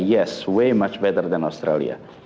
ya lebih baik dari australia